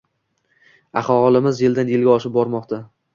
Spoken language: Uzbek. «Aholimiz yildan-yilga oshib bormoqda